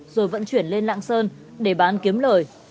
rồi vận chuyển lên lạng sơn để bán kiếm lời